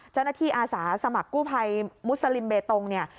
เจ้าหน้าที่อาสาสมัครกู้ภัยมุสลิมเบตงเนี่ย